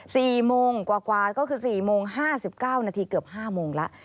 ที่ผ่านมา๔โมงกว่าก็คือ๔โมง๕๙นาทีเกือบ๕โมงแล้ว